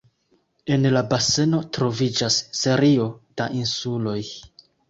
En la baseno troviĝas serio da insuloj.